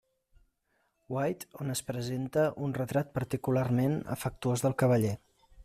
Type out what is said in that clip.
White, on es presenta un retrat particularment afectuós del cavaller.